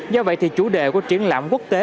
do vậy thì chủ đề của triển lãm quốc tế